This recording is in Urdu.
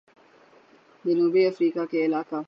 جنوبی افریقہ کے علاقہ